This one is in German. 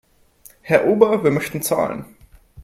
Herr Ober, wir möchten zahlen.